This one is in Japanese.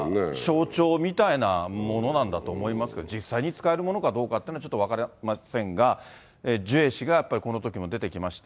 象徴みたいなものなんだと思いますけど、実際につかえる者かどうかというのはちょっと分かりませんが、ジュエ氏がやっぱりこのときも出てきまして。